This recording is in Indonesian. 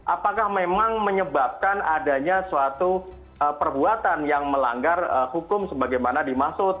apakah memang menyebabkan adanya suatu perbuatan yang melanggar hukum sebagaimana dimaksud